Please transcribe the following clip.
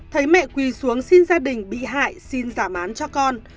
thấy mẹ quỳ xuống xin gia đình bị hại xin giảm án cho con